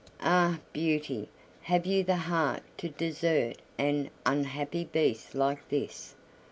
"Ah! Beauty, have you the heart to desert an unhappy Beast like this?